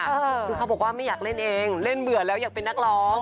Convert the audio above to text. คือเขาบอกว่าไม่อยากเล่นเองเล่นเบื่อแล้วอยากเป็นนักร้อง